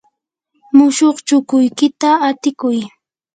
mushuq chukuykita hatikuy.